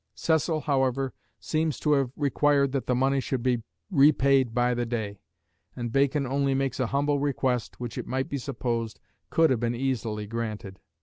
Cecil, however, seems to have required that the money should be repaid by the day; and Bacon only makes a humble request, which, it might be supposed, could have been easily granted.